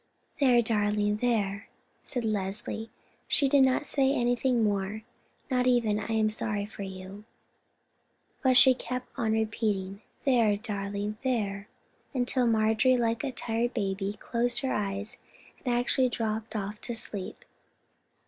"There, darling, there," said Leslie. She did not say anything more, not even "I am sorry for you," but she kept on repeating the "there, darling, there," until Marjorie, like a tired baby, closed her eyes, and actually dropped off to sleep.